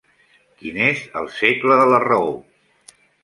Quin és el segle de la raó?